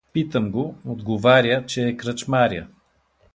Питам го — отговаря, че е кръчмаря.